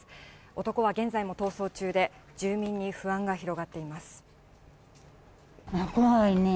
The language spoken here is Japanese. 男は現在も逃走中で、住民に不安が広が怖いね。